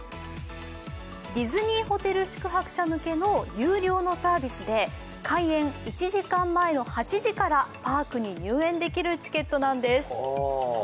ディズニーホテル宿泊者向けの有料のサービスで開園１時間前の、８時からパークに入園できるチケットなんです。